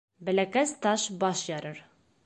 Бәләкәс таш баш ярыр.